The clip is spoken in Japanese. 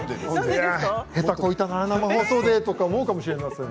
へたこいたな、生放送でと思うかもしれません。